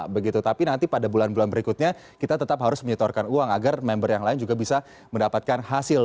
begitu tapi nanti pada bulan bulan berikutnya kita tetap harus menyetorkan uang agar member yang lain juga bisa mendapatkan hasil